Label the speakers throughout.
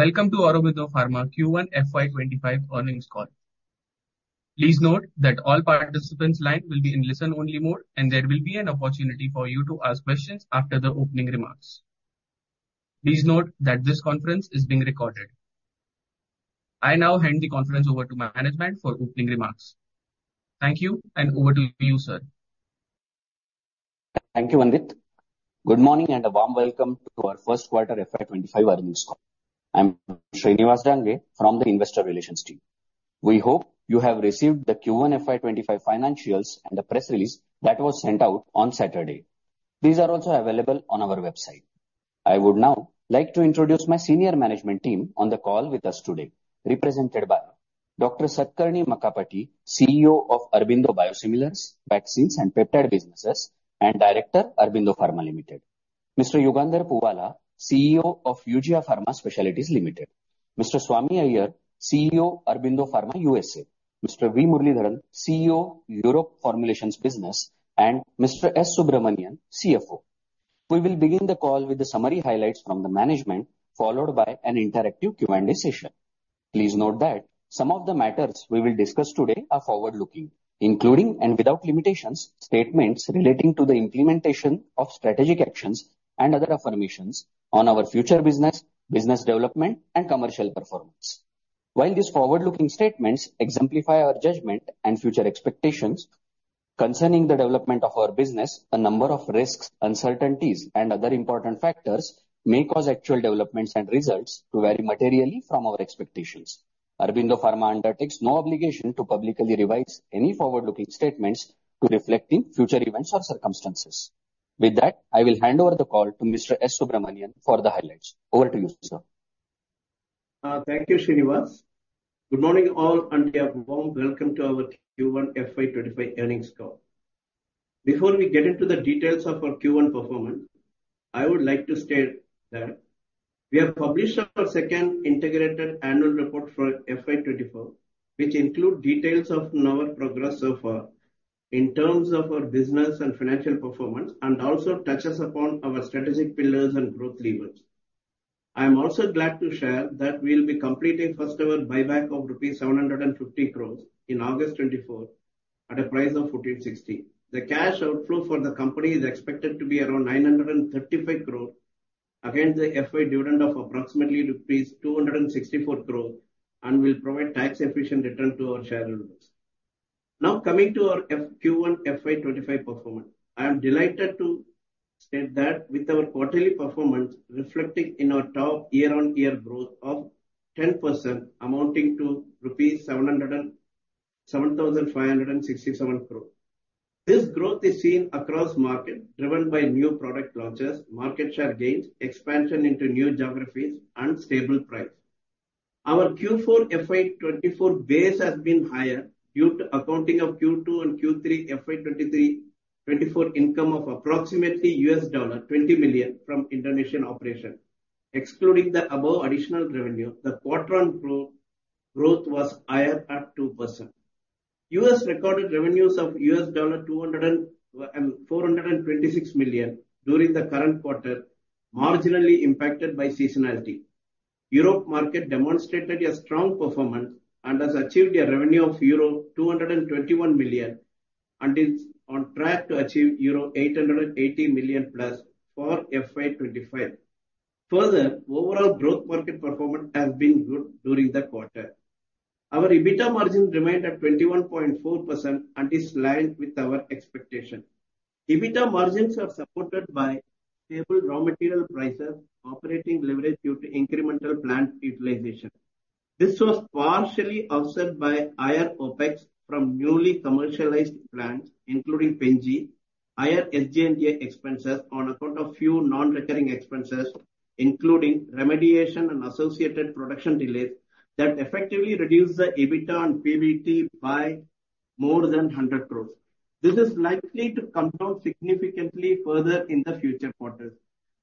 Speaker 1: Welcome to Aurobindo Pharma Q1 FY25 Earnings Call. Please note that all participants' lines will be in listen-only mode, and there will be an opportunity for you to ask questions after the opening remarks. Please note that this conference is being recorded. I now hand the conference over to my management for opening remarks. Thank you, and over to you, sir.
Speaker 2: Thank you, Andit. Good morning and a warm welcome to our first quarter FY25 earnings call. I'm Shriniwas Dange from the Investor Relations team. We hope you have received the Q1 FY25 financials and the press release that was sent out on Saturday. These are also available on our website. I would now like to introduce my senior management team on the call with us today, represented by Dr. Satakarni Makkapati, CEO of Aurobindo Biosimilars, Vaccines, and Peptide Businesses, and Director, Aurobindo Pharma Limited, Mr. Yugandher Puvvala, CEO of Eugia Pharma Specialties Limited, Mr. Swami Iyer, CEO, Aurobindo Pharma USA, Mr. V. Muralidharan, CEO, Europe Formulations Business, and Mr. S. Subramanian, CFO. We will begin the call with the summary highlights from the management, followed by an interactive Q&A session. Please note that some of the matters we will discuss today are forward-looking, including and without limitations statements relating to the implementation of strategic actions and other affirmations on our future business, business development, and commercial performance. While these forward-looking statements exemplify our judgment and future expectations concerning the development of our business, a number of risks, uncertainties, and other important factors may cause actual developments and results to vary materially from our expectations. Aurobindo Pharma undertakes no obligation to publicly revise any forward-looking statements to reflect future events or circumstances. With that, I will hand over the call to Mr. S. Subramanian for the highlights. Over to you, sir. Thank you, Shriniwas. Good morning all, and welcome to our Q1 FY25 earnings call. Before we get into the details of our Q1 performance, I would like to state that we have published our second integrated annual report for FY24, which includes details of our progress so far in terms of our business and financial performance, and also touches upon our strategic pillars and growth levers. I am also glad to share that we will be completing the first-ever buyback of rupees 750 crore in August 2024 at a price of 1,460. The cash outflow for the company is expected to be around 935 crore against the FY dividend of approximately rupees 264 crore and will provide a tax-efficient return to our shareholders. Now, coming to our Q1 FY25 performance, I am delighted to state that with our quarterly performance reflecting our top year-on-year growth of 10%, amounting to rupees 7,567 crore. This growth is seen across the market, driven by new product launches, market share gains, expansion into new geographies, and stable price. Our Q4 FY24 base has been higher due to the accounting of Q2 and Q3 FY24 income of approximately $20 million from Indonesian operations. Excluding the above additional revenue, the quarter-on-quarter growth was higher by 2%. US recorded revenues of $426 million during the current quarter were marginally impacted by seasonality. The Europe market demonstrated a strong performance and has achieved a revenue of euro 221 million and is on track to achieve euro 880 million plus for FY25. Further, overall growth market performance has been good during the quarter. Our EBITDA margin remained at 21.4% and is aligned with our expectations. EBITDA margins are supported by stable raw material prices and operating leverage due to incremental plant utilization. This was partially offset by higher OpEx from newly commercialized plants, including Pen G, higher L&P expenses on account of few non-recurring expenses, including remediation and associated production delays that effectively reduced the EBITDA and PBT by more than 100 crores. This is likely to compound significantly further in the future quarter.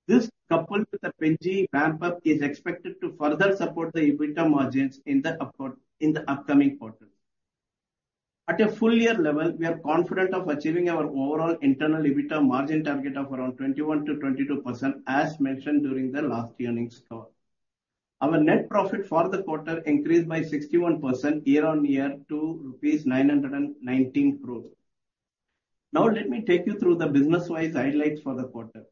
Speaker 2: This, coupled with the Pen G ramp-up, is expected to further support the EBITDA margins in the upcoming quarter. At a full-year level, we are confident of achieving our overall internal EBITDA margin target of around 21%-22%, as mentioned during the last earnings call. Our net profit for the quarter increased by 61% year-on-year to rupees 919 crores. Now, let me take you through the business-wise highlights for the quarter.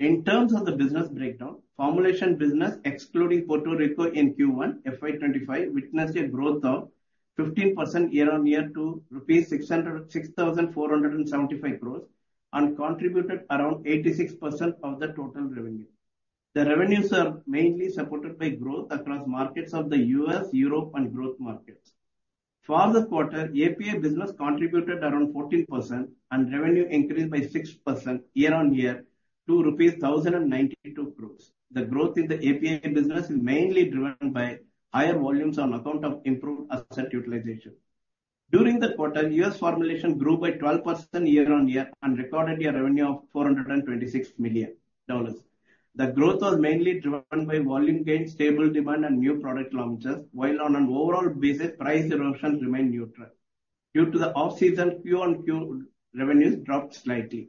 Speaker 2: In terms of the business breakdown, the formulation business, excluding Puerto Rico in Q1 FY25, witnessed a growth of 15% year-on-year to rupees 6,475 crores and contributed around 86% of the total revenue. The revenues are mainly supported by growth across markets of the U.S., Europe, and growth markets. For the quarter, the API business contributed around 14%, and revenue increased by 6% year-on-year to rupees 1,019 crores. The growth in the API business is mainly driven by higher volumes on account of improved asset utilization. During the quarter, U.S. formulation grew by 12% year-on-year and recorded a revenue of $426 million. The growth was mainly driven by volume gains, stable demand, and new product launches, while on an overall basis, price erosion remained neutral due to the off-season QoQ revenues dropping slightly.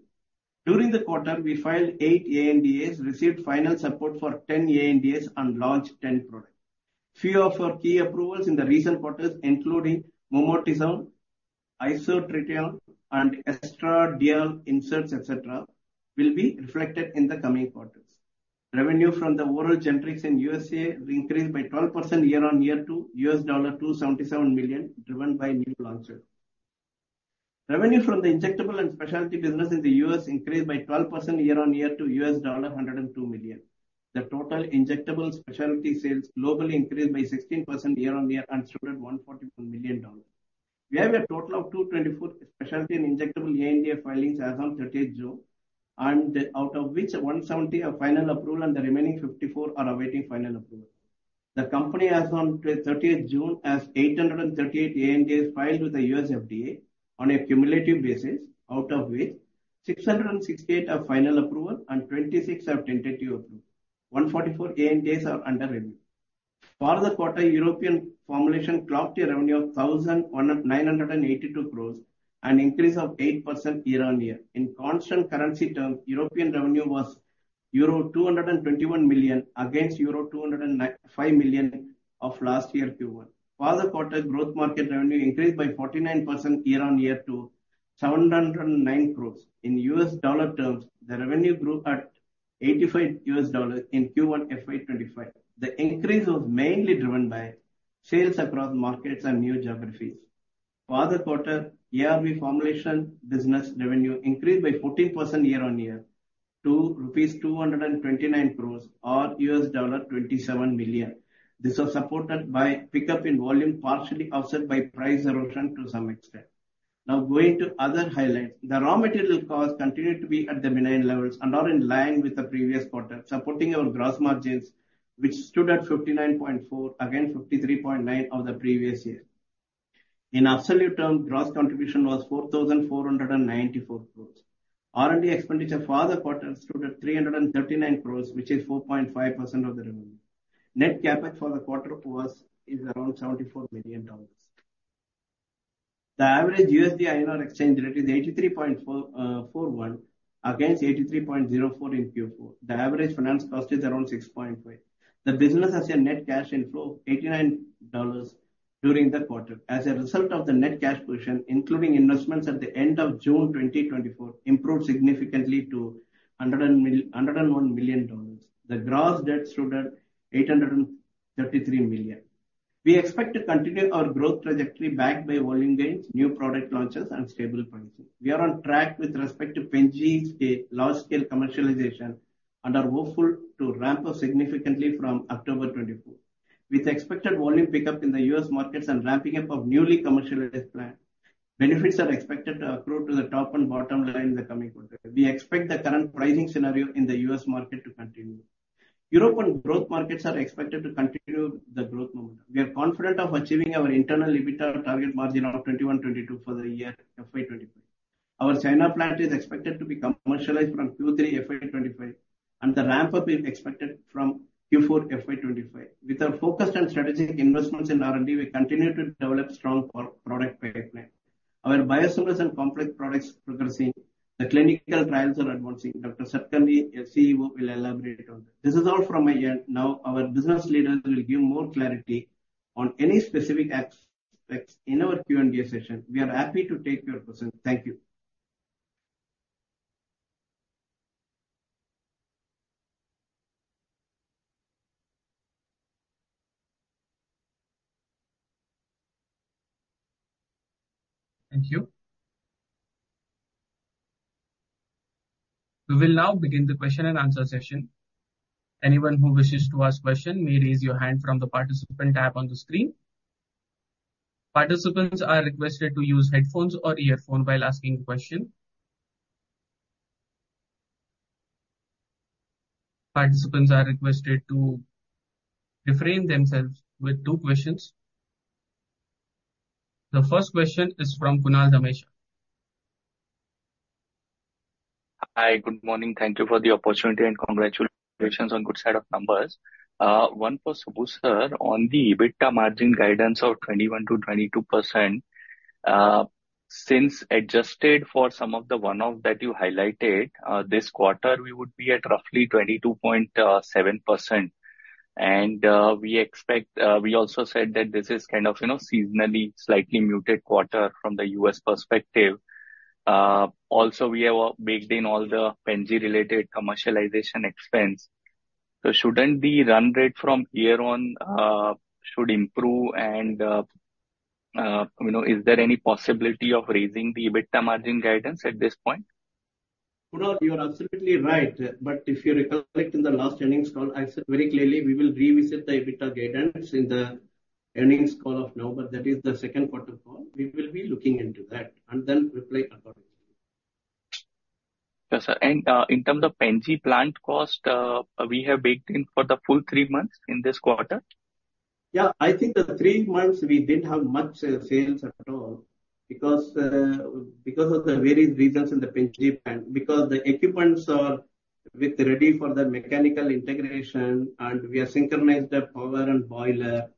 Speaker 2: During the quarter, we filed eight ANDAs, received final support for 10 ANDAs, and launched 10 products. A few of our key approvals in the recent quarters, including mometasone, isotretinoin, and estradiol inserts, etc., will be reflected in the coming quarters. Revenue from the oral generics in the U.S. increased by 12% year-on-year to $277 million, driven by new launches. Revenue from the injectable and specialty business in the U.S. increased by 12% year-on-year to $102 million. The total injectable specialty sales globally increased by 16% year-on-year and secured $142 million. We have a total of 224 specialty and injectable ANDA filings as of 30th June, out of which 170 are final approval, and the remaining 54 are awaiting final approval. The company has, as on 30th June, 838 ANDAs filed with the U.S. FDA on a cumulative basis, out of which 668 are final approval and 26 are tentative approval. 144 ANDAs are under review. For the quarter, European formulations clocked a revenue of 1,982 crores and an increase of 8% year-on-year. In constant currency terms, European revenue was euro 221 million against euro 205 million of last year Q1. For the quarter, growth market revenue increased by 49% year-on-year to 709 crores. In US dollar terms, the revenue grew to $85 million in Q1 FY25. The increase was mainly driven by sales across markets and new geographies. For the quarter, ARB formulations business revenue increased by 14% year-on-year to rupees 229 crores or $27 million. This was supported by pickup in volume, partially offset by price erosion to some extent. Now, going to other highlights, the raw material costs continue to be at the midline levels and are in line with the previous quarter, supporting our gross margins, which stood at 59.4% against 53.9% of the previous year. In absolute terms, gross contribution was 4,494 crores. R&D expenditure for the quarter stood at 339 crores, which is 4.5% of the revenue. Net Capex for the quarter was around $74 million. The average USD/INR exchange rate is 83.41 against 83.04 in Q4. The average finance cost is around 6.5. The business has a net cash inflow of $89 during the quarter. As a result of the net cash position, including investments at the end of June 2024, it improved significantly to $101 million. The gross debt stood at $833 million. We expect to continue our growth trajectory back by volume gains, new product launches, and stable pricing. We are on track with respect to Pen-G's large-scale commercialization and are hopeful to ramp up significantly from October 2024. With expected volume pickup in the U.S. markets and ramping up of newly commercialized plants, benefits are expected to accrue to the top and bottom line in the coming quarter. We expect the current pricing scenario in the US market to continue. European growth markets are expected to continue the growth momentum. We are confident of achieving our internal EBITDA target margin of 21%-22% for the year FY25. Our China plant is expected to be commercialized from Q3 FY25, and the ramp-up is expected from Q4 FY25. With our focused and strategic investments in R&D, we continue to develop strong product pipelines. Our biosimilar complex products are progressing. The clinical trials are advancing. Dr. Satakarni, the CEO, will elaborate on this. This is all from me now. Our business leaders will give more clarity on any specific aspects in our Q&A session. We are happy to take your questions. Thank you.
Speaker 1: Thank you. We will now begin the question and answer session. Anyone who wishes to ask a question may raise your hand from the participant tab on the screen. Participants are requested to use headphones or earphones while asking questions. Participants are requested to refrain themselves with two questions. The first question is from Kunal Randeria.
Speaker 3: Hi, good morning. Thank you for the opportunity and congratulations on the good side of numbers. One for Subbu sir on the EBITDA margin guidance of 21%-22%. Since adjusted for some of the one-offs that you highlighted, this quarter we would be at roughly 22.7%. And we expect, we also said that this is kind of, you know, seasonally, slightly muted quarter from the US perspective. Also, we have baked in all the Pen G-related commercialization expense. So shouldn't the run rate from year-on-year improve? And, you know, is there any possibility of raising the EBITDA margin guidance at this point?
Speaker 4: Kunal, you're absolutely right. But if you recollect in the last earnings call, I said very clearly we will revisit the EBITDA guidance in the earnings call of November, that is the second quarter call. We will be looking into that and then reply accordingly.
Speaker 3: Yes, sir. And in terms of Pen-G plant cost, we have baked in for the full three months in this quarter?
Speaker 4: Yeah, I think that the three months we didn't have much sales at all because of the various reasons in the Pen G plant, because the equipments are ready for the mechanical integration, and we have synchronized the power and boiler.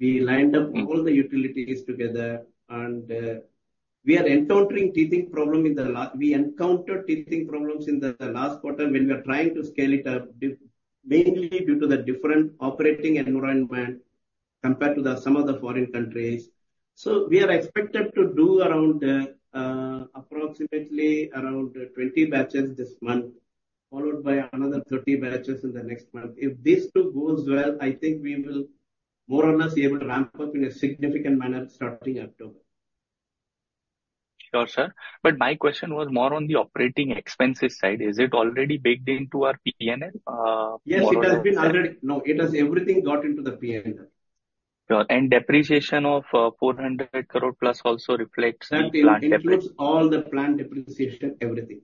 Speaker 4: We lined up all the utilities together, and we are encountering teething problems in the last. We encountered teething problems in the last quarter when we were trying to scale it up, mainly due to the different operating environment compared to some of the foreign countries. So we are expected to do around approximately 20 batches this month, followed by another 30 batches in the next month. If these two go well, I think we will, more or less, be able to ramp up in a significant manner in the Q1.
Speaker 3: Sure, sir. But my question was more on the operating expenses side. Is it already baked into our P&L?
Speaker 4: Yes, it has been already. No, it has everything got into the P&L.
Speaker 3: Sure. And depreciation of 400 crore plus also reflects?
Speaker 4: It reflects all the plant depreciation, everything.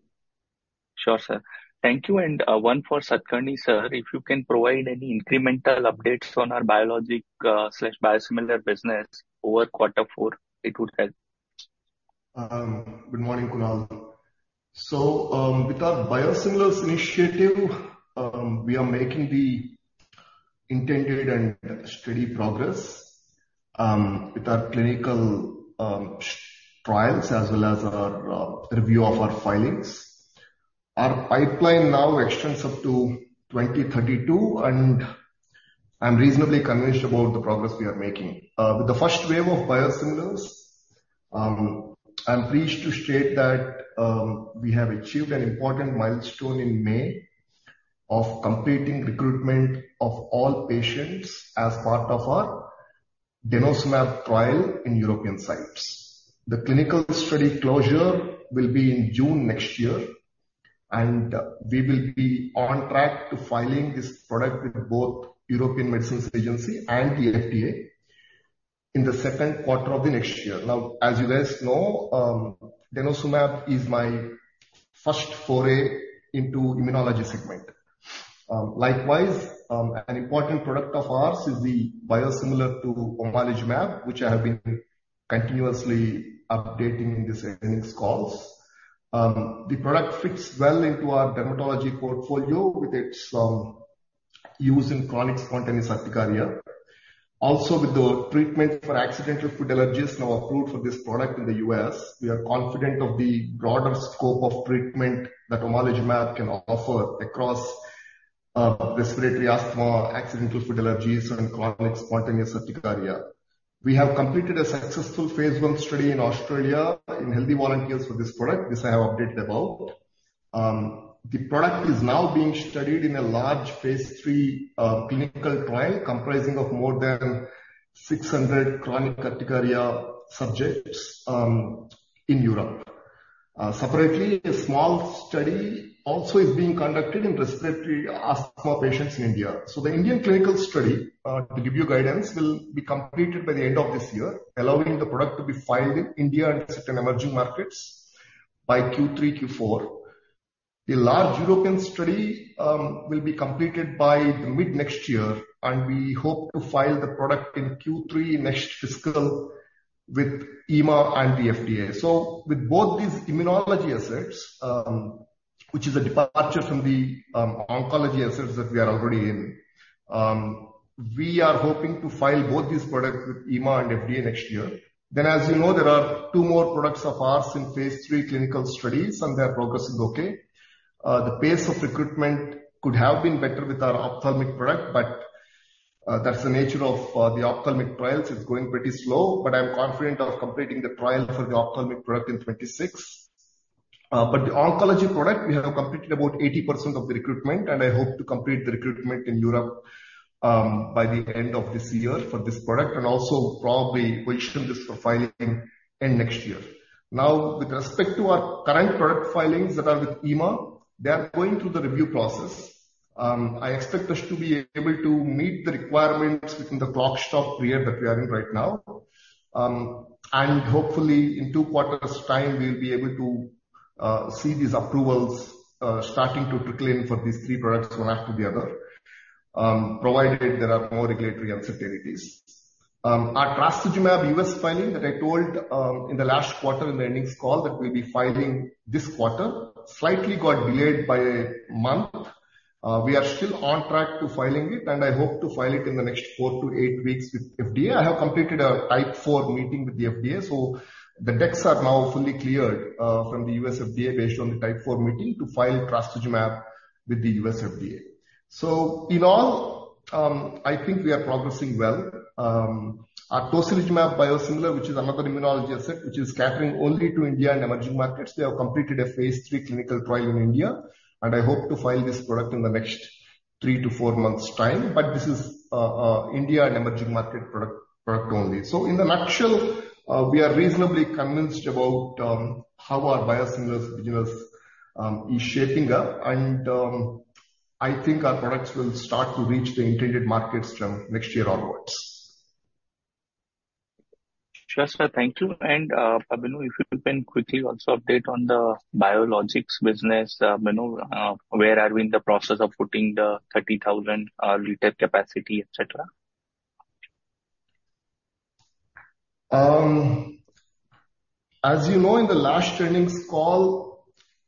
Speaker 3: Sure, sir. Thank you. And one for Satakarni sir, if you can provide any incremental updates on our biologic/biosimilar business over quarter four, it would help.
Speaker 5: Good morning, Kunal. So with our biosimilars initiative, we are making the intended and steady progress with our clinical trials as well as our review of our filings. Our pipeline now extends up to 2032, and I'm reasonably convinced about the progress we are making. With the first wave of biosimilars, I'm pleased to state that we have achieved an important milestone in May of completing recruitment of all patients as part of our denosumab trial in European sites. The clinical study closure will be in June next year, and we will be on track to filing this product with both the European Medicines Agency and the FDA in the second quarter of the next year. Now, as you guys know, denosumab is my first foray into the immunology segment. Likewise, an important product of ours is the biosimilar to omalizumab, which I have been continuously updating in these earnings calls. The product fits well into our dermatology portfolio with its use in chronic spontaneous urticaria. Also, with the treatment for accidental food allergies now approved for this product in the U.S., we are confident of the broader scope of treatment that omalizumab can offer across respiratory asthma, accidental food allergies, and chronic spontaneous urticaria. We have completed a successful phase 1 study in Australia in healthy volunteers for this product. This I have updated about. The product is now being studied in a large phase 3 clinical trial comprising of more than 600 chronic urticaria subjects in Europe. Separately, a small study also is being conducted in respiratory asthma patients in India. So the Indian clinical study, to give you guidance, will be completed by the end of this year, allowing the product to be filed in India and certain emerging markets by Q3, Q4. A large European study will be completed by the mid next year, and we hope to file the product in Q3 next fiscal with EMA and the FDA. So with both these immunology assets, which is a departure from the oncology assets that we are already in, we are hoping to file both these products with EMA and FDA next year. Then, as you know, there are two more products of ours in phase three clinical studies, and their progress is okay. The pace of recruitment could have been better with our ophthalmic product, but that's the nature of the ophthalmic trials. It's going pretty slow. But I'm confident of completing the trial for the ophthalmic product in 2026. But the oncology product, we have completed about 80% of the recruitment, and I hope to complete the recruitment in Europe by the end of this year for this product and also probably complete this profiling in next year. Now, with respect to our current product filings that are with EMA, they are going through the review process. I expect us to be able to meet the requirements within the clock-stop period that we are in right now. And hopefully, in two quarters' time, we'll be able to see these approvals starting to trickle in for these three products one after the other, provided there are more regulatory uncertainties. Our trastuzumab US filing that I told in the last quarter in the earnings call that we'll be filing this quarter slightly got delayed by a month. We are still on track to filing it, and I hope to file it in the next 4 weeks to 8 weeks with FDA. I have completed a type 4 meeting with the FDA, so the decks are now fully cleared from the U.S. FDA based on the type 4 meeting to file trastuzumab with the U.S. FDA. So in all, I think we are progressing well. Our tocilizumab biosimilar, which is another immunology asset, which is catering only to India and emerging markets, they have completed a phase 3 clinical trial in India, and I hope to file this product in the next 3 to 4 months' time. But this is India and emerging market product only. So in a nutshell, we are reasonably convinced about how our biosimilars business is shaping up, and I think our products will start to reach the intended markets from next year onwards.
Speaker 3: Yes, sir, thank you. Abhinu, if you can quickly also update on the biologics business, Abhinu, where are we in the process of putting the 30,000 liters capacity, etc.?
Speaker 5: As you know, in the last earnings call,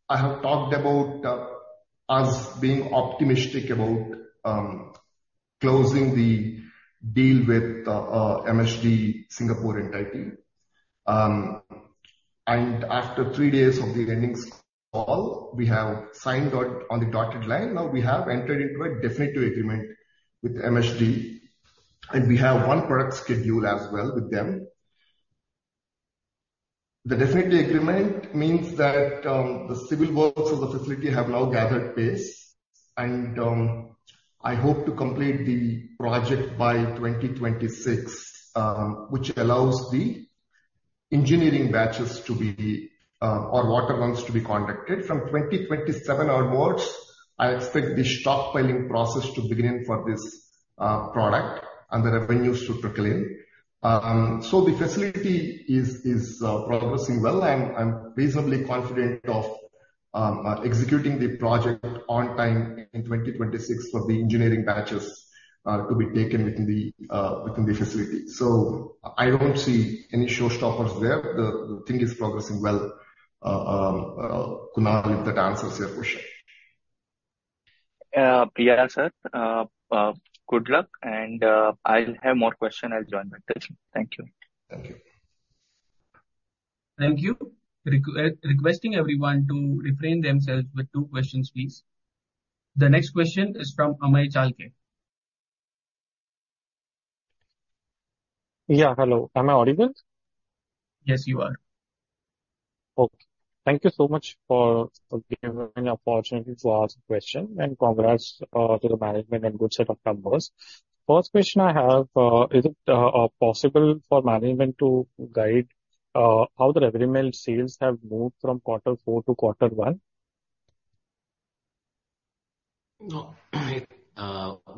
Speaker 5: I have talked about us being optimistic about closing the deal with MSD Singapore and India. After three days of the earnings call, we have signed on the dotted line. Now we have entered into a definitive agreement with MSD, and we have one product schedule as well with them. The definitive agreement means that the civil works of the facility have now gathered pace, and I hope to complete the project by 2026, which allows the engineering batches to be the water runs to be conducted. From 2027 onwards, I expect the US filing process to begin for this product and the revenues to trickle in. The facility is progressing well, and I'm reasonably confident of executing the project on time in 2026 for the engineering batches to be taken within the facility. So I don't see any showstoppers there. The thing is progressing well. Kunal, I believe that answers your question.
Speaker 3: Bye, sir, good luck, and I'll have more questions as you advance. Thank you.
Speaker 5: Thank you.
Speaker 1: Thank you. Requesting everyone to refrain themselves with two questions, please. The next question is from Amey Chalke.
Speaker 6: Yeah, hello. Am I audible?
Speaker 7: Yes, you are.
Speaker 6: Okay. Thank you so much for giving me the opportunity to ask a question, and congrats to the management and good set of numbers. First question I have, is it possible for management to guide how the revenue sales have moved from quarter four to quarter one?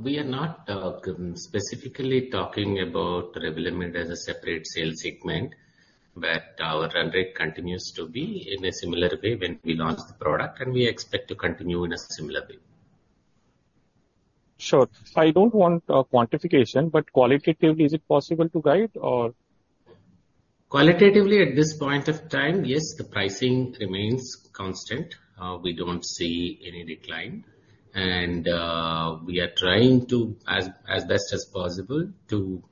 Speaker 7: We are not specifically talking about revenue as a separate sales segment, but our run rate continues to be in a similar way when we launch the product, and we expect to continue in a similar way.
Speaker 6: Sure. I don't want a quantification, but qualitatively, is it possible to guide or?
Speaker 7: Qualitatively, at this point of time, yes, the pricing remains constant. We don't see any decline, and we are trying to, as best as possible, to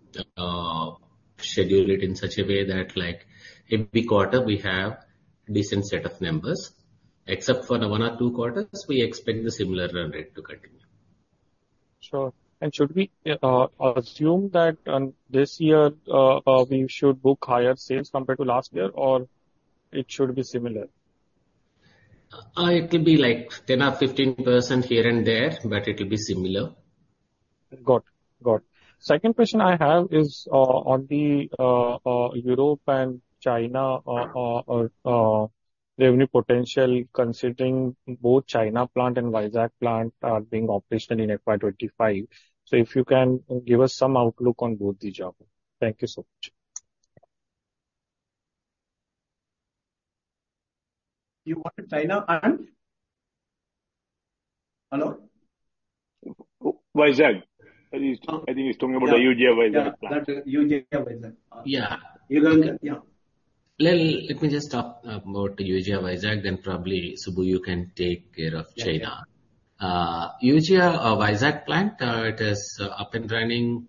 Speaker 7: schedule it in such a way that every quarter we have a decent set of numbers. Except for one or two quarters, we expect the similar run rate to continue.
Speaker 6: Sure. Should we assume that this year we should book higher sales compared to last year, or it should be similar?
Speaker 7: It could be like 10%, 15% here and there, but it will be similar.
Speaker 6: Good. Good. Second question I have is on the Europe and China revenue potential considering both China plant and Visakhapatnam plant are being operational in FY25. So if you can give us some outlook on both these jobs. Thank you so much.
Speaker 7: You want to try now, Arun? Hello?
Speaker 5: Visakhapatnam. I think he's talking about Eugia Visakhapatnam.
Speaker 7: Yeah. Let me just talk about Eugia Visakhapatnam, then probably Subbu can take care of China. Eugia Visakhapatnam plant, it is up and running.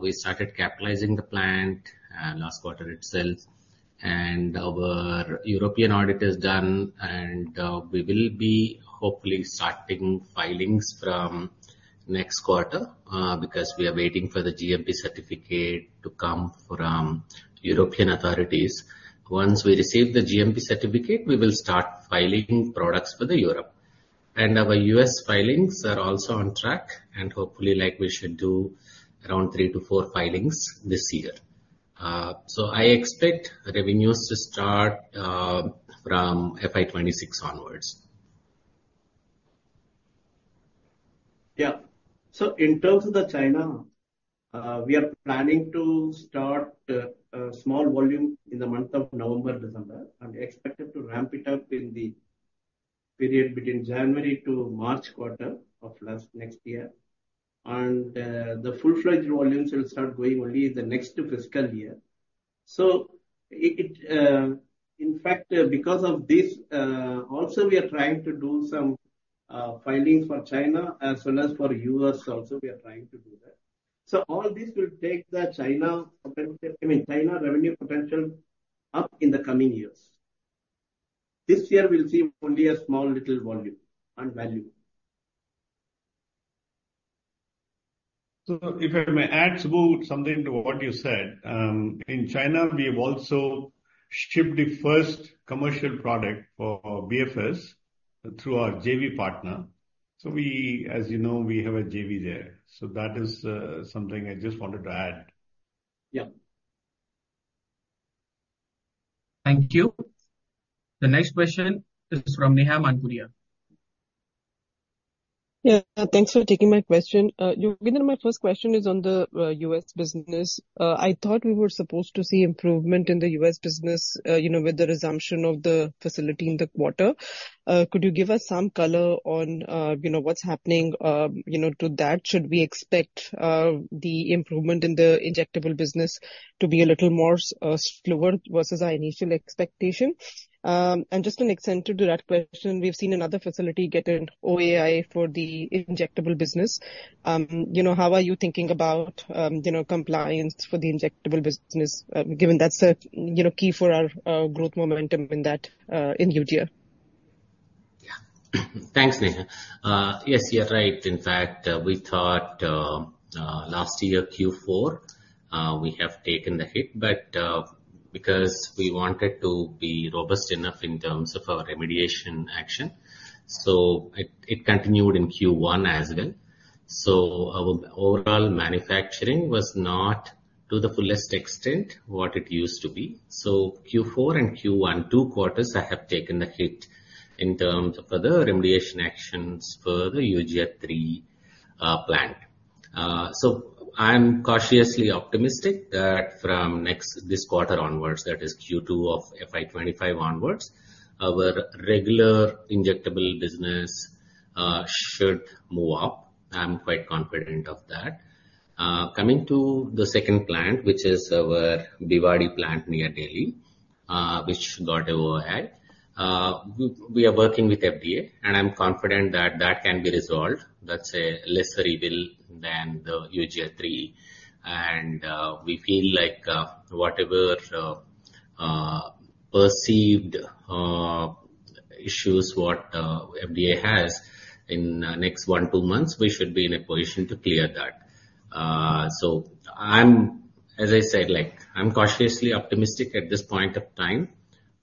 Speaker 7: We started capitalizing the plant last quarter itself, and our European audit is done, and we will be hopefully starting filings from next quarter because we are waiting for the GMP certificate to come from European authorities. Once we receive the GMP certificate, we will start filing products for Europe. And our US filings are also on track, and hopefully, like we should do, around 3 filings-4 filings this year. So I expect the revenues to start from FY26 onwards.
Speaker 3: Yeah. So in terms of the China, we are planning to start a small volume in the month of November, and expect to ramp it up in the period between January to March quarter of last next year. And the full-fledged volumes will start going only in the next fiscal year. So in fact, because of this, also we are trying to do some filings for China as well as for U.S. also. We are trying to do that. So all this will take the China revenue potential up in the coming years. This year, we'll see only a small little volume and value.
Speaker 5: So if I may add, Subbu, something to what you said. In China, we have also shipped the first commercial product for BFS through our JV partner. So as you know, we have a JV there. So that is something I just wanted to add.
Speaker 3: Yeah.
Speaker 7: Thank you. The next question is from Neha Manpuria.
Speaker 3: Yeah, thanks for taking my question. My first question is on the U.S. business. I thought we were supposed to see improvement in the U.S. business with the resumption of the facility in the quarter. Could you give us some color on what's happening to that? Should we expect the improvement in the injectable business to be a little more slower versus our initial expectation? And just an extension to that question, we've seen another facility get an OAI for the injectable business. How are you thinking about compliance for the injectable business, given that's key for our growth momentum in that in UGA?
Speaker 7: Yeah. Thanks, Neha. Yes, you're right. In fact, we thought last year, Q4, we have taken the hit, but because we wanted to be robust enough in terms of our remediation action, so it continued in Q1 as well. So our overall manufacturing was not to the fullest extent what it used to be. So Q4 and Q1, two quarters, I have taken the hit in terms of other remediation actions for the Eugia Unit III plant. So I'm cautiously optimistic that from this quarter onwards, that is Q2 of FY25 onwards, our regular injectable business should move up. I'm quite confident of that. Coming to the second plant, which is our Bhiwadi plant near Delhi, which got an OAI, we are working with FDA, and I'm confident that that can be resolved. That's a lesser evil than the Eugia Unit III. We feel like whatever perceived issues the FDA has in the next 1 months-2 months, we should be in a position to clear that. So as I said, I'm cautiously optimistic at this point of time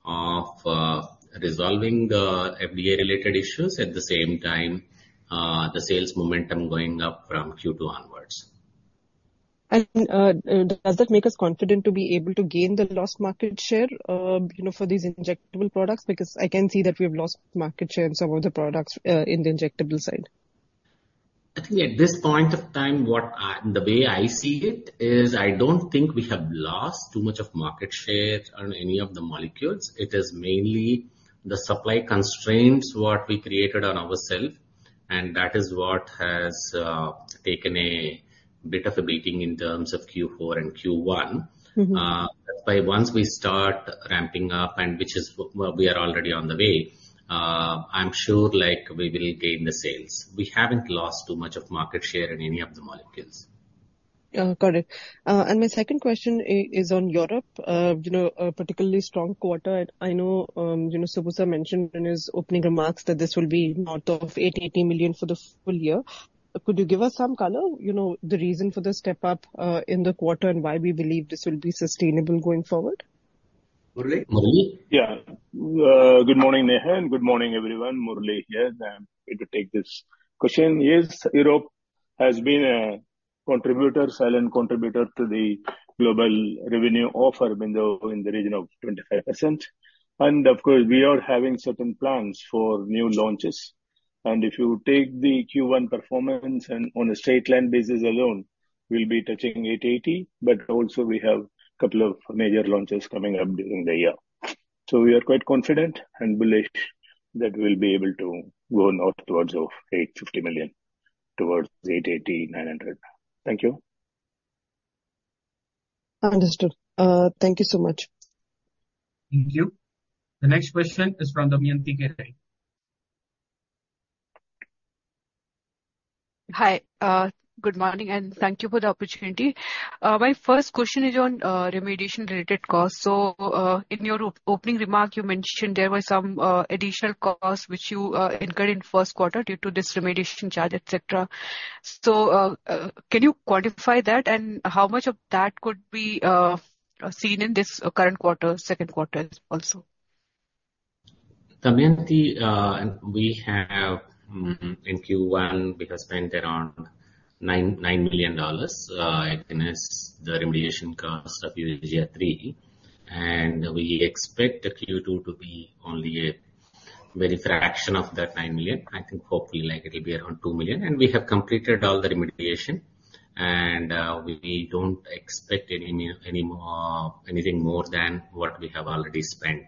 Speaker 7: of resolving the FDA-related issues at the same time the sales momentum going up from Q2 onwards.
Speaker 3: Does that make us confident to be able to gain the lost market share for these injectable products? Because I can see that we have lost market share in some of the products in the injectable side.
Speaker 7: I think at this point of time, the way I see it is I don't think we have lost too much of market share on any of the molecules. It is mainly the supply constraints what we created on ourselves, and that is what has taken a bit of a beating in terms of Q4 and Q1. But once we start ramping up, which is what we are already on the way, I'm sure we will gain the sales. We haven't lost too much of market share in any of the molecules.
Speaker 3: Got it. And my second question is on Europe, particularly strong quarter. I know Subbu mentioned in his opening remarks that this will be north of 80 million for the full year. Could you give us some color, the reason for the step up in the quarter and why we believe this will be sustainable going forward?
Speaker 5: Yeah. Good morning, Neha, and good morning, everyone. Yes, I'm here to take this question. Yes, Europe has been a contributor, silent contributor to the global revenue of Aurobindo in the region of 25%. We are having certain plans for new launches. If you take the Q1 performance and on a straight line, this alone will be touching 880 million, but also we have a couple of major launches coming up during the year. We are quite confident and believe that we'll be able to go north towards 850 million, towards 880 million-900 million. Thank you.
Speaker 3: Understood. Thank you so much.
Speaker 7: Thank you. The next question is from Damayanti Kerai.
Speaker 3: Hi, good morning, and thank you for the opportunity. My first question is on remediation-related costs. So in your opening remark, you mentioned there were some additional costs which you incurred in first quarter due to this remediation charge, etc. So can you quantify that, and how much of that could be seen in this current quarter, second quarter also?
Speaker 7: Damayanti, we have in Q1, we have spent around $9 million against the remediation cost of Eugia Unit 3, and we expect Q2 to be only a very fraction of that $9 million. I think hopefully it'll be around $2 million, and we have completed all the remediation, and we don't expect anything more than what we have already spent.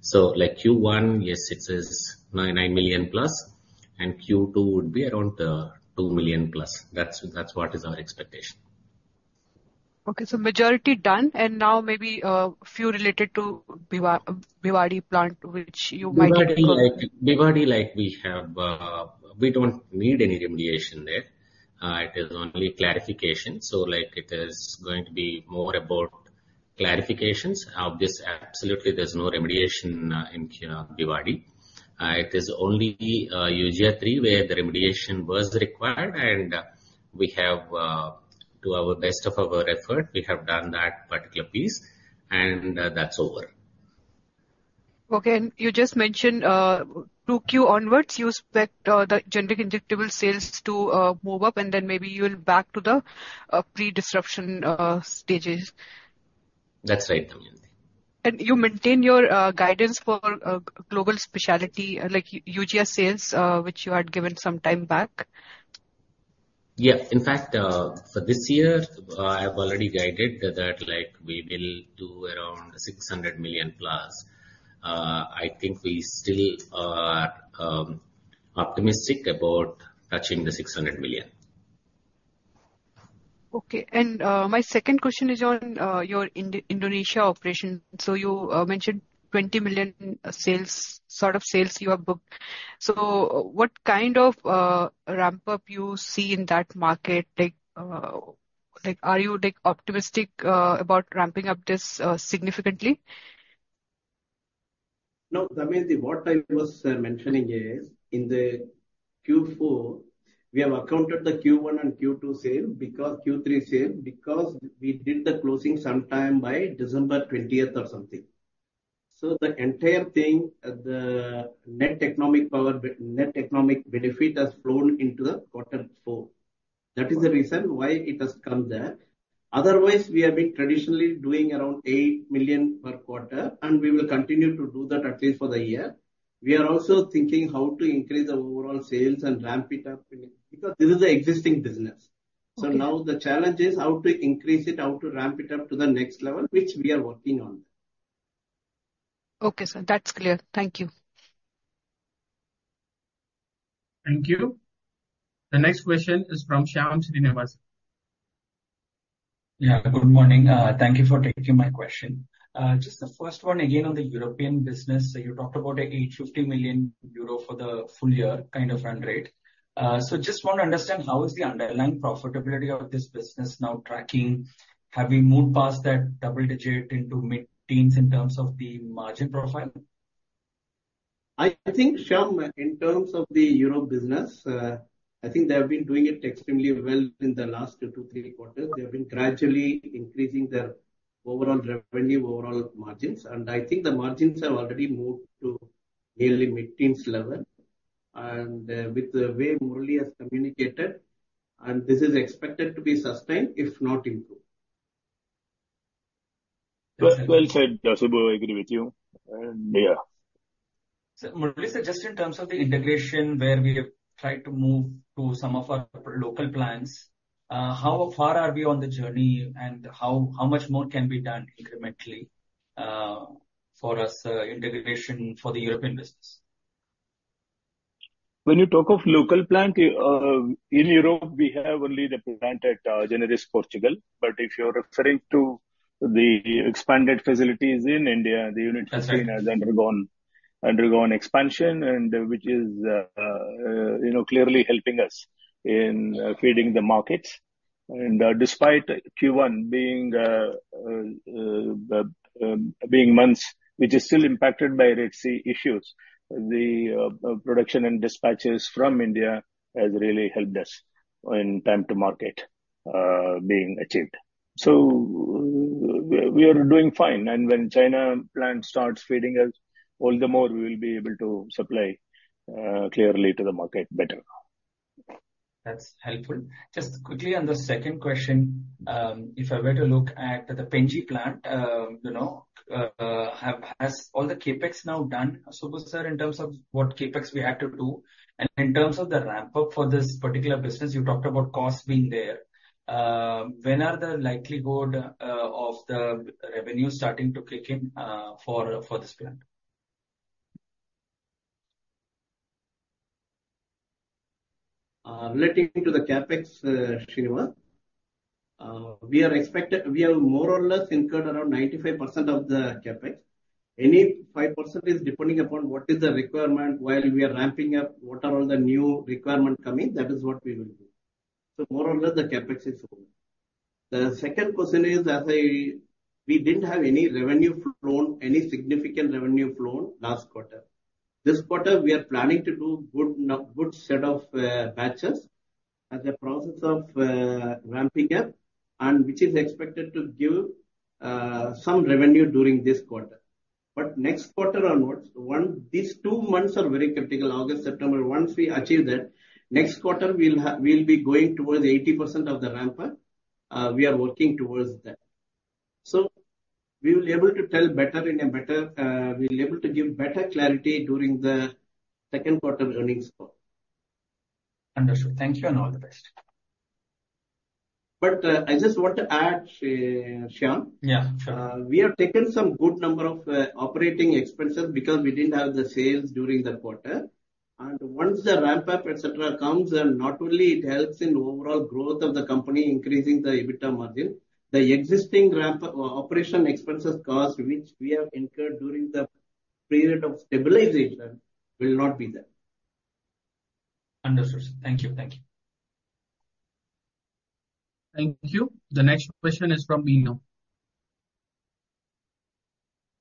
Speaker 7: So Q1, yes, it says $9 million plus, and Q2 would be around $2 million+. That's what is our expectation.
Speaker 3: Okay, so majority done, and now maybe a few related to Bhiwadi plant, which you might not know.
Speaker 7: Bhiwadi, we don't need any remediation there. It is only clarification. So it is going to be more about clarifications. Obviously, absolutely there's no remediation in Bhiwadi. It is only Eugia three where the remediation was required, and we have, to our best of our effort, we have done that particular piece, and that's over.
Speaker 3: Okay, and you just mentioned Q2 onwards, you expect the generic injectable sales to move up, and then maybe you'll back to the pre-disruption stages.
Speaker 7: That's right.
Speaker 3: You maintain your guidance for global specialty, like Eugia sales, which you had given some time back?
Speaker 7: Yeah. In fact, for this year, I've already guided that we will do around $600 million plus. I think we still are optimistic about touching the $600 million.
Speaker 3: Okay, and my second question is on your Indonesia operation. So you mentioned $20 million sort of sales you have booked. So what kind of ramp-up you see in that market? Are you optimistic about ramping up this significantly?
Speaker 7: No, Damayanti, what I was mentioning is in the Q4, we have accounted the Q1 and Q2 sales because Q3 sales, because we did the closing sometime by December 20th or something. So the entire thing, the net economic benefit has flown into the quarter four. That is the reason why it has come there. Otherwise, we have been traditionally doing around $8 million per quarter, and we will continue to do that at least for the year. We are also thinking how to increase the overall sales and ramp it up because this is the existing business. So now the challenge is how to increase it, how to ramp it up to the next level, which we are working on.
Speaker 3: Okay, so that's clear. Thank you. Thank you. The next question is from Shyam Srinivasan.
Speaker 5: Yeah, good morning. Thank you for taking my question. Just the first one, again on the European business, you talked about the $850 million for the full year kind of run rate. So just want to understand how is the underlying profitability of this business now tracking? Have we moved past that double digit into mid-teens in terms of the margin profile?
Speaker 7: I think, Shyam, in terms of the Europe business, I think they have been doing it extremely well in the last 2-3 quarters. They have been gradually increasing their overall revenue, overall margins, and I think the margins have already moved to nearly mid-teens level. And with the way Murali has communicated, and this is expected to be sustained, if not improved.
Speaker 5: Well said, Subbu. I agree with you. Yeah.
Speaker 7: Muralidharan said, just in terms of the integration where we have tried to move to some of our local plants, how far are we on the journey and how much more can be done incrementally for us integration for the European business?
Speaker 5: When you talk of local plant, in Europe, we have only the plant at Generis, Portugal. But if you're referring to the expanded facilities in India, the unit has undergone expansion, which is clearly helping us in feeding the markets. Despite Q1 being months, which is still impacted by Red Sea issues, the production and dispatches from India has really helped us in time to market being achieved. We are doing fine. When China plant starts feeding us, all the more we will be able to supply clearly to the market better.
Speaker 7: That's helpful. Just quickly on the second question, if I were to look at the Pen-G plant, has all the CapEx now done, Subbu Sir, in terms of what CapEx we had to do? And in terms of the ramp-up for this particular business, you talked about costs being there. When are the likelihood of the revenue starting to kick in for this plant? Relating to the CapEx, Shriniwas, we have more or less incurred around 95% of the CapEx. Any 5% is depending upon what is the requirement while we are ramping up, what are all the new requirements coming, that is what we will do. So more or less the CapEx is good. The second question is, as we didn't have any revenue flown, any significant revenue flown last quarter. This quarter, we are planning to do a good set of batches as a process of ramping up, which is expected to give some revenue during this quarter. But next quarter onwards, these two months are very critical, August, September. Once we achieve that, next quarter, we'll be going towards 80% of the ramp-up. We are working towards that. So we will be able to tell better in a better we'll be able to give better clarity during the second quarter running score. Understood. Thank you and all the best.
Speaker 5: But I just want to add, Shyam.
Speaker 7: Yeah, sure.
Speaker 5: We have taken some good number of operating expenses because we didn't have the sales during the quarter. Once the ramp-up, etc., comes, and not only it helps in overall growth of the company, increasing the EBITDA margin, the existing operating expenses cost, which we have incurred during the period of stabilization, will not be there.
Speaker 7: Understood. Thank you. Thank you.
Speaker 3: Thank you. The next question is from Bino.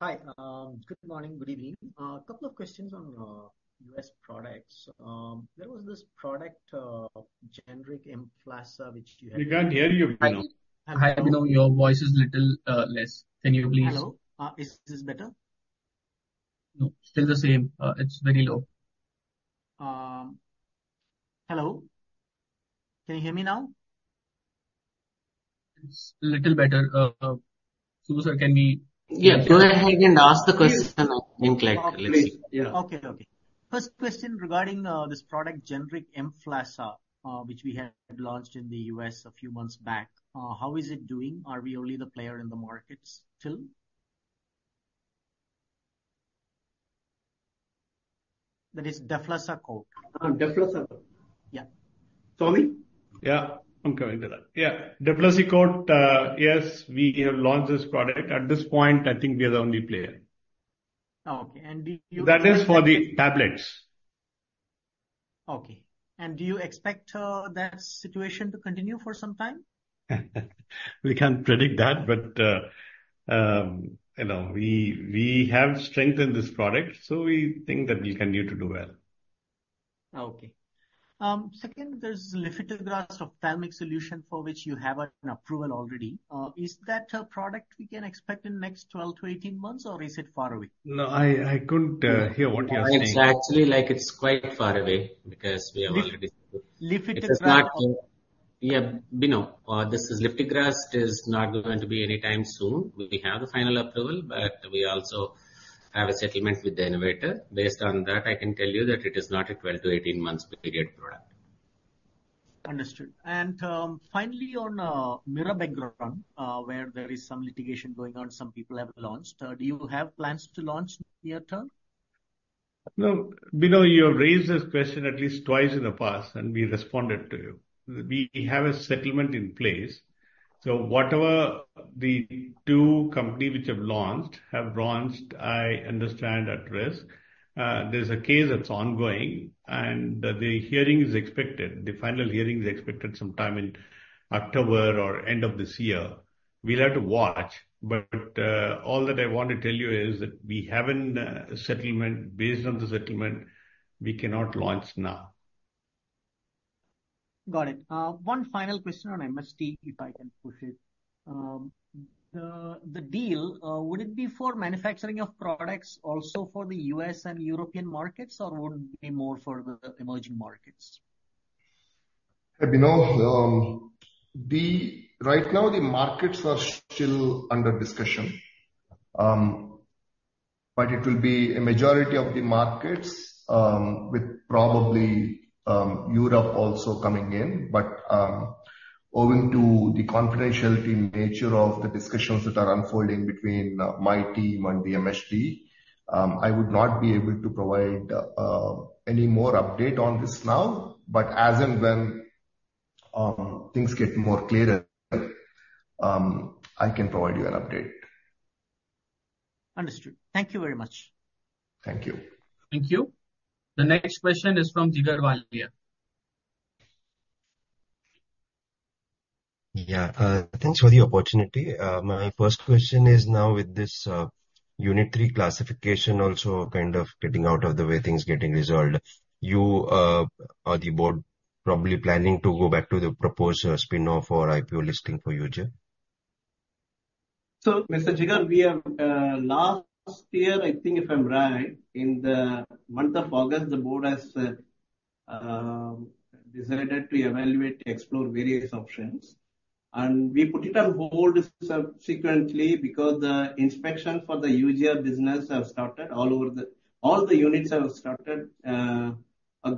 Speaker 5: Hi. Good morning. Good evening. A couple of questions on U.S. products. There was this product, Generic Emflaza, which you had.
Speaker 3: We can't hear you.
Speaker 5: Hi, Bino.
Speaker 3: I know your voice is a little less. Can you please?
Speaker 5: Hello?
Speaker 3: Is this better?
Speaker 5: No.
Speaker 3: Still the same. It's very low.
Speaker 5: Hello?
Speaker 3: Can you hear me now?
Speaker 5: It's a little better. Subbu Sir, can we?
Speaker 7: Yeah. Go ahead and ask the question.
Speaker 5: Okay.
Speaker 3: First question regarding this product, Generic Emflaza, which we had launched in the US a few months back. How is it doing? Are we only the player in the market still? That is Deflazacort.
Speaker 5: Deflazacort.
Speaker 3: Yeah.
Speaker 5: Sorry?
Speaker 3: Yeah. I'm coming to that. Yeah. Deflazacort, yes, we launched this product. At this point, I think we are the only player.
Speaker 5: Okay. And do you?
Speaker 3: That is for the tablets.
Speaker 5: Okay. And do you expect that situation to continue for some time?
Speaker 7: We can't predict that, but we have strengthened this product, so we think that we continue to do well.
Speaker 5: Okay. Second, there's Lifitegrast ophthalmic solution for which you have an approval already. Is that a product we can expect in the next 12 to 18 months, or is it far away?
Speaker 7: No, I couldn't hear what you're saying.
Speaker 5: It's actually like it's quite far away because we have already.
Speaker 7: Lifitegrast.
Speaker 5: Yeah, Bino, this is Lifitegrast. It is not going to be anytime soon. We have the final approval, but we also have a settlement with the innovator. Based on that, I can tell you that it is not a 12-18 months period product.
Speaker 3: Understood. And finally, on Mirabegron, where there is some litigation going on, some people have launched. Do you have plans to launch near term?
Speaker 5: No, Bino, you have raised this question at least twice in the past, and we responded to you. We have a settlement in place. So whatever the two companies which have launched have launched, I understand at risk. There's a case that's ongoing, and the hearing is expected. The final hearing is expected sometime in October or end of this year. We'll have to watch. But all that I want to tell you is that we have a settlement based on the settlement. We cannot launch now.
Speaker 3: Got it. One final question on MSD, if I can push it. The deal, would it be for manufacturing of products also for the U.S. and European markets, or would it be more for the emerging markets?
Speaker 5: Bino, right now, the markets are still under discussion, but it will be a majority of the markets with probably Europe also coming in. But owing to the confidentiality nature of the discussions that are unfolding between my team and the MSD, I would not be able to provide any more update on this now. But as and when things get more clearer, I can provide you an update.
Speaker 3: Understood. Thank you very much.
Speaker 5: Thank you.
Speaker 3: Thank you. The next question is from Jigar Valia.
Speaker 7: Yeah. Thanks for the opportunity. My first question is now with this unitary classification also kind of getting out of the way, things getting resolved. Are the board probably planning to go back to the proposed spinoff or IPO listing for UGA?
Speaker 5: So, Mr. Jigar, last year, I think if I'm right, in the month of August, the board has decided to evaluate, explore various options. And we put it on hold subsequently because the inspection for the Eugia business has started. All the units have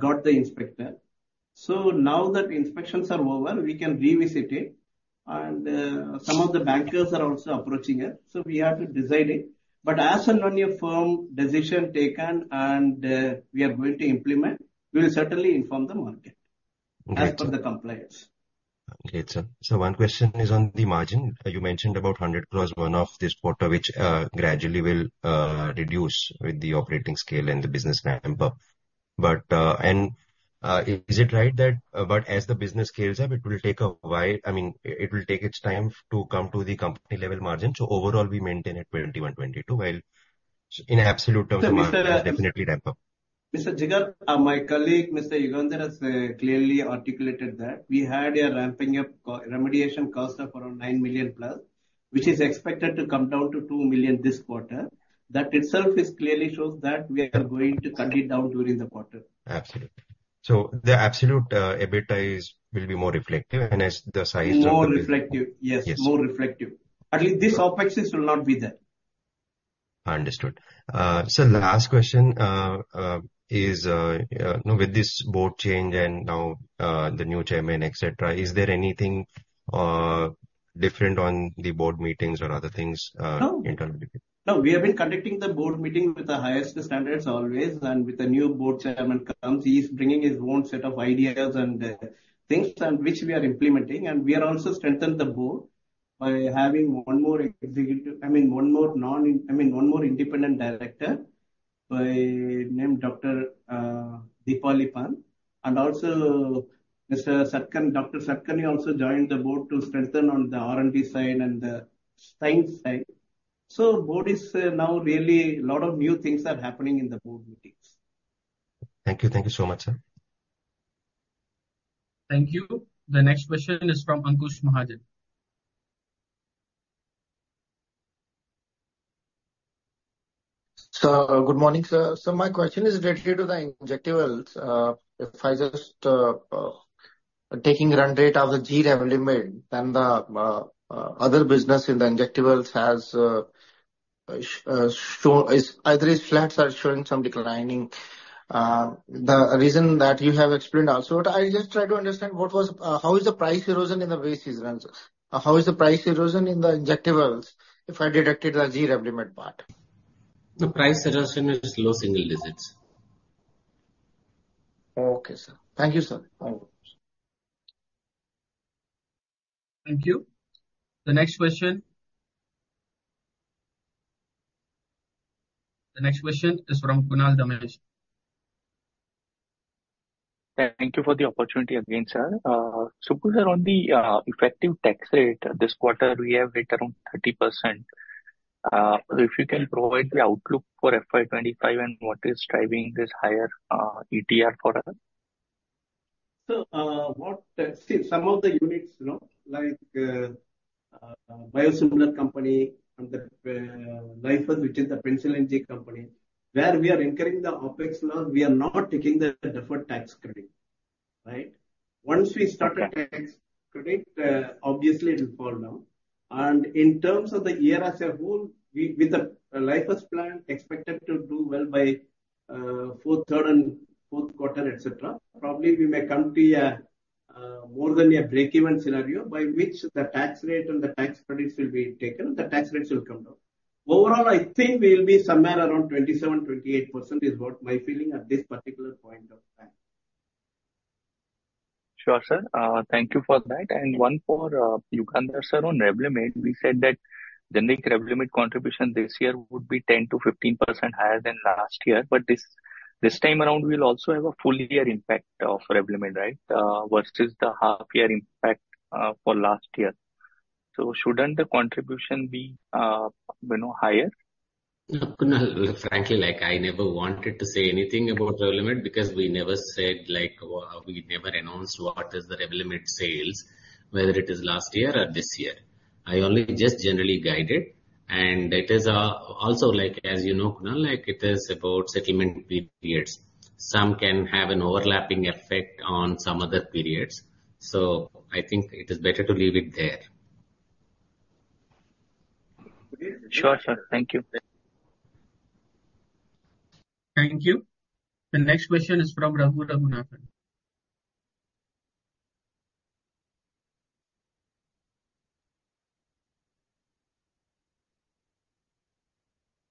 Speaker 5: got the inspection. So now that inspections are over, we can revisit it. And some of the bankers are also approaching us. So we have to decide. But as a non-executive decision taken, and we are going to implement, we will certainly inform the market as per the compliance.
Speaker 7: Okay. So one question is on the margin. You mentioned about 100 + 1 of this quarter, which gradually will reduce with the operating scale and the business ramp-up. But is it right that as the business scales up, it will take a while? I mean, it will take its time to come to the company-level margin. So overall, we maintain at 21, 22, while in absolute terms, definitely ramp-up.
Speaker 5: Mr. Jigar, my colleague Mr. Yugandhar has clearly articulated that we had a ramping-up remediation cost of around $9 million plus, which is expected to come down to $2 million this quarter. That itself clearly shows that we are going to cut it down during the quarter.
Speaker 7: Absolutely. So the absolute EBITDA will be more reflective and as the size of the.
Speaker 5: More reflective. Yes, more reflective. But with this OpEx, it will not be there.
Speaker 7: Understood. So last question is with this board change and now the new chairman, etc., is there anything different on the board meetings or other things?
Speaker 5: No. We have been conducting the board meetings with the highest standards always. And with the new board chairman comes, he's bringing his own set of ideas and things which we are implementing. And we are also strengthening the board by having one more executive, I mean, one more non-independent director named Dr. Deepali Pant Joshi. And also Dr. Satakarni Makkapati also joined the board to strengthen on the R&D side and the science side. So board is now really a lot of new things are happening in the board meetings.
Speaker 7: Thank you. Thank you so much, sir.
Speaker 5: Thank you. The next question is from Ankush Mahajan.
Speaker 3: So, good morning, sir. So my question is related to the injectable. If Pfizer is taking run rate of the G revenue and the other business in the injectables has shown either it's flat or showing some declining. The reason that you have explained also, I just try to understand what is, how is the price erosion in the respiratory season? How is the price erosion in the injectables if I deduct the G revenue part?
Speaker 7: The price erosion is low single digits.
Speaker 3: Okay, sir. Thank you, sir.
Speaker 5: Thank you. The next question. The next question is from Kunal Dhamesha.
Speaker 3: Thank you for the opportunity again, sir. Subbu Sir, on the effective tax rate this quarter, we have hit around 30%. If you can provide the outlook for FY25 and what is driving this higher ETR for us?
Speaker 5: So see, some of the units, like biosimilars company and the Lyfius, which is a Penicillin tech company, where we are incurring the OpEx, we are not taking the deferred tax credit. Right? Once we start a tax credit, obviously it will fall down. And in terms of the year as a whole, with a Lyfius' plan, expected to do well by fourth quarter, etc., probably we may come to a more than a break-even scenario by which the tax rate and the tax credits will be taken. The tax rate will come down. Overall, I think we will be somewhere around 27%-28% is what my feeling at this particular point of time.
Speaker 3: Sure, sir. Thank you for that. And one for Yugandhar, sir, on Revlimid, we said that the net revenue contribution this year would be 10%-15% higher than last year. But this time around, we'll also have a full year impact of Revlimid, right, versus the half-year impact for last year. So shouldn't the contribution be higher?
Speaker 7: Yeah, Kunal, frankly, I never wanted to say anything about Revlimid because we never said we never announced what is the Revlimid sales, whether it is last year or this year. I only just generally guided it. And it is also, as you know, Kunal, it is about settlement periods. Some can have an overlapping effect on some other periods. So I think it is better to leave it there.
Speaker 3: Sure, sir. Thank you. Thank you. The next question is from Rahul Jeewani.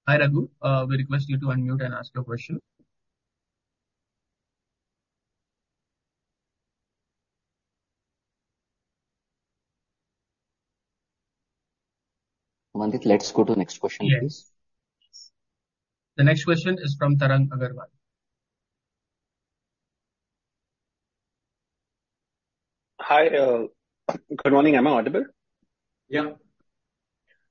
Speaker 3: Hi, Rahul. We request you to unmute and ask your question.
Speaker 7: Mandit, let's go to the next question, please.
Speaker 5: Yes.
Speaker 1: The next question is from Tarang Agrawal.
Speaker 8: Hi. Good morning. Am I audible?
Speaker 1: Yeah.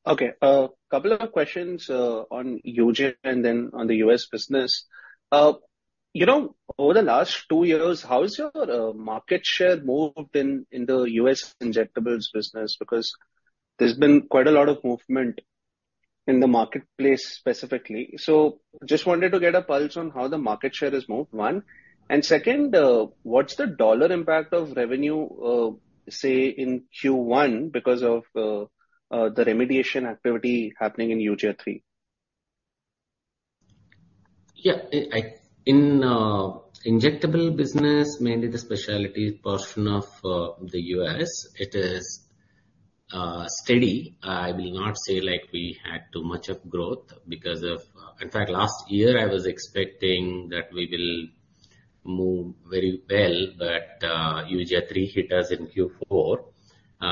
Speaker 8: Okay. A couple of questions on Eugia and then on the U.S. business. You know, over the last two years, how has your market share moved in the U.S. injectables business? Because there's been quite a lot of movement in the marketplace specifically. So just wanted to get a pulse on how the market share has moved, one. And second, what's the dollar impact of revenue, say, in Q1 because of the remediation activity happening in UGA3?
Speaker 7: Yeah. In injectable business, mainly the specialty portion of the U.S., it is steady. I will not say like we had too much of growth because of, in fact, last year, I was expecting that we will move very well, but UGA3 hit us in Q4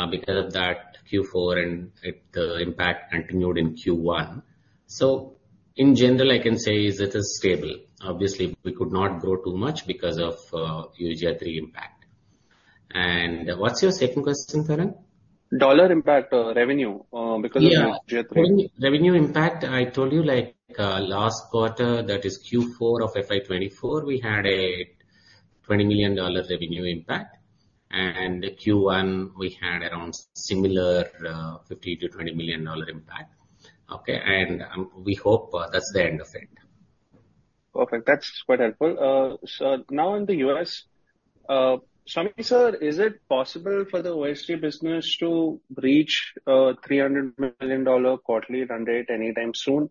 Speaker 7: because of that Q4 and the impact continued in Q1. So in general, I can say it is stable. Obviously, we could not grow too much because of UGA3 impact. And what's your second question, Tarang?
Speaker 8: Dollar impact or revenue because of Eugia 3?
Speaker 7: Revenue impact, I told you like last quarter, that is Q4 of FY24, we had a $20 million revenue impact. And Q1, we had around similar $50 to $20 million impact. Okay. And we hope that's the end of it.
Speaker 3: Perfect. That's quite helpful. So now in the US, Swami sir, is it possible for the OSG business to reach $300 million quarterly run rate anytime soon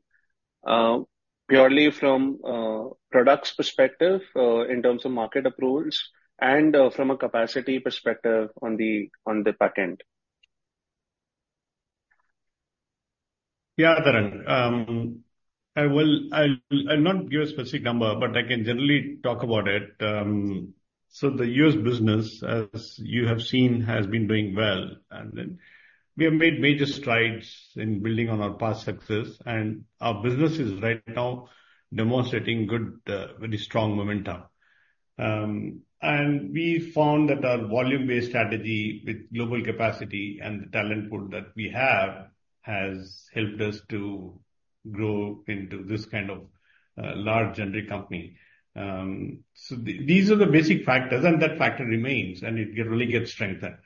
Speaker 3: purely from products perspective in terms of market approvals and from a capacity perspective on the back end?
Speaker 5: Yeah, Tarang. I will not give a specific number, but I can generally talk about it. The U.S. business, as you have seen, has been doing well. We have made major strides in building on our past success. Our business is right now demonstrating good, very strong momentum. We found that our volume-based strategy with global capacity and the talent pool that we have has helped us to grow into this kind of large generic company. These are the basic factors, and that factor remains, and it really gets strengthened.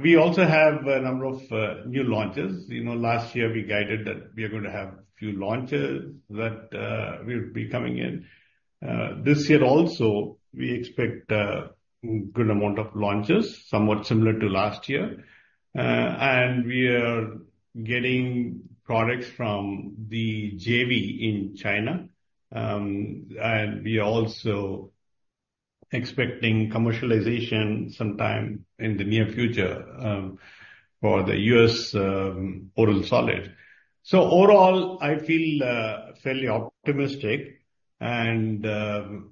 Speaker 5: We also have a number of new launches. Last year, we guided that we are going to have a few launches that will be coming in. This year also, we expect a good amount of launches, somewhat similar to last year. We are getting products from the JV in China. We are also expecting commercialization sometime in the near future for the US oral solid. So overall, I feel fairly optimistic, and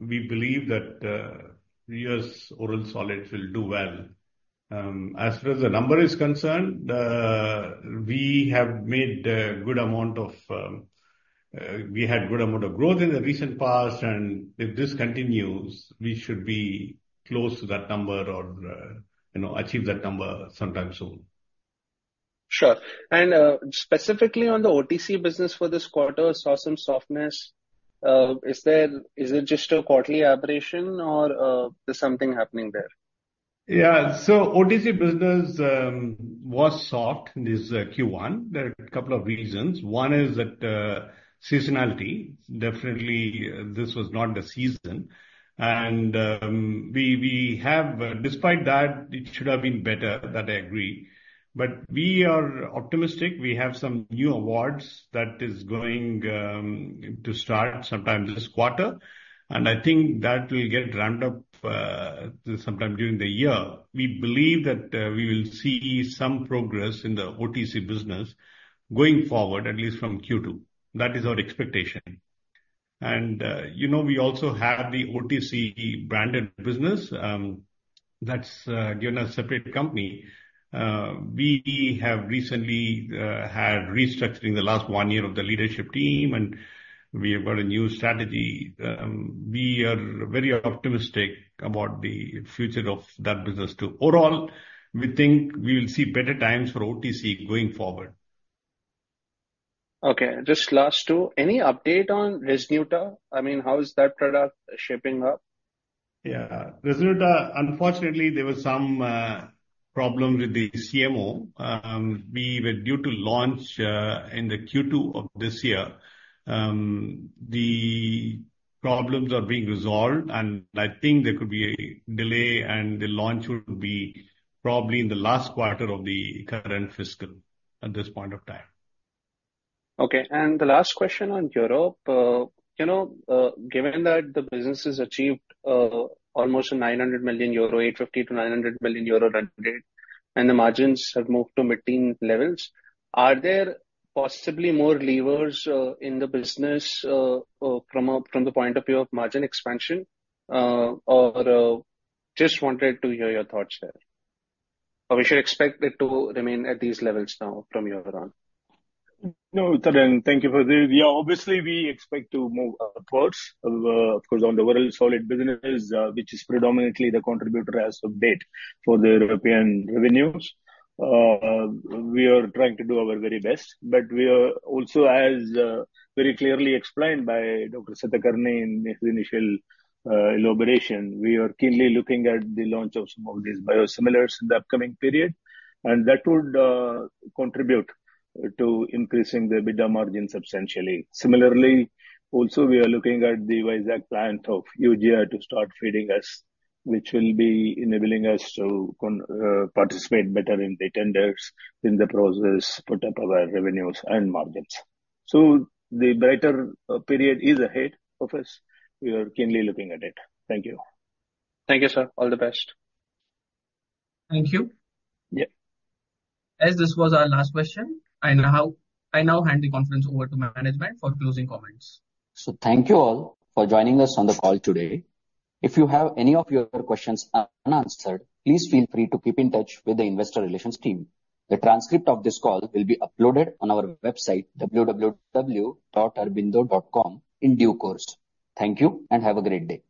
Speaker 5: we believe that the US oral solid will do well. As far as the number is concerned, we had a good amount of growth in the recent past. And if this continues, we should be close to that number or achieve that number sometime soon.
Speaker 8: Sure. And specifically on the OTC business for this quarter, I saw some softness. Is it just a quarterly aberration, or is something happening there?
Speaker 5: Yeah. So OTC business was soft this Q1. There are a couple of reasons. One is that seasonality. Definitely, this was not the season. And despite that, it should have been better, that I agree. But we are optimistic. We have some new awards that are going to start sometime this quarter. And I think that will get rounded up sometime during the year. We believe that we will see some progress in the OTC business going forward, at least from Q2. That is our expectation. And we also have the OTC branded business that's given us a separate company. We have recently had restructuring in the last one year of the leadership team, and we have got a new strategy. We are very optimistic about the future of that business too. Overall, we think we will see better times for OTC going forward.
Speaker 8: Okay. Just last two. Any update on Ryzneuta? I mean, how is that product shaping up?
Speaker 5: Yeah. Ryzneuta, unfortunately, there were some problems with the CMO. We were due to launch in the Q2 of this year. The problems are being resolved, and I think there could be a delay, and the launch would be probably in the last quarter of the current fiscal at this point of time.
Speaker 8: Okay. And the last question on Europe. Given that the business has achieved almost 900 million euro, 850 million-900 million euro run rate, and the margins have moved to mid-teen levels, are there possibly more levers in the business from the point of view of margin expansion? Or just wanted to hear your thoughts there. Or we should expect it to remain at these levels now from your end?
Speaker 5: No, Tarang, thank you for this. Yeah, obviously, we expect to move upwards. Of course, on the oral solid business, which is predominantly the contributor as of date for the European revenues, we are trying to do our very best. But we are also, as very clearly explained by Dr. Satakarni in his initial elaboration, we are keenly looking at the launch of some of these biosimilars in the upcoming period. And that would contribute to increasing the better margin substantially. Similarly, also, we are looking at the Vizag plant of Eugiato start feeding us, which will be enabling us to participate better in the tenders, in the process, put up our revenues and margins. So the brighter period is ahead of us. We are keenly looking at it. Thank you.
Speaker 8: Thank you, sir. All the best.
Speaker 1: Thank you.
Speaker 8: Yeah.
Speaker 1: As this was our last question, I now hand the conch over to my management for closing comments.
Speaker 7: Thank you all for joining us on the call today. If you have any of your questions unanswered, please feel free to keep in touch with the investor relations team. The transcript of this call will be uploaded on our website, www.aurobindo.com, in due course. Thank you and have a great day.